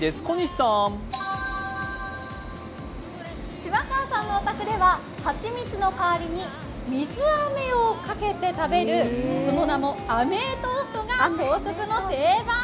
島川さんのお宅では、蜂蜜の代わりに水あめをかけて食べる、その名もあめトーストが朝食の定番。